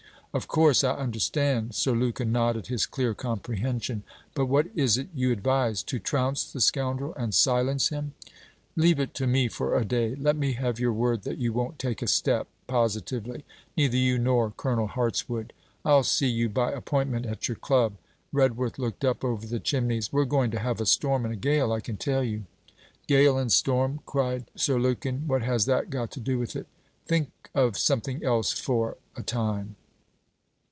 'Of course; I understand,' Sir Lukin nodded his clear comprehension. 'But what is it you advise, to trounce the scoundrel, and silence him?' 'Leave it to me for a day. Let me have your word that you won't take a step: positively neither you nor Colonel Hartswood. I'll see you by appointment at your Club.' Redworth looked up over the chimneys. 'We 're going to have a storm and a gale, I can tell you.' 'Gale and storm!' cried Sir Lukin; 'what has that got to do with it?' 'Think of something else for, a time.'